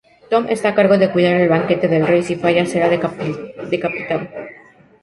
Tom está a cargo de cuidar el banquete del rey, si falla será decapitado.